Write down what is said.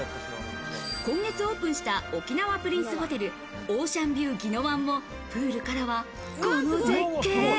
今月オープンした、沖縄プリンスホテルオーシャンビューぎのわんもプールからは、この絶景。